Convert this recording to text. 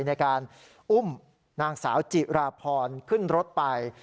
ในการอุ้มนางสาวจิราภรเคลื่อนรถไป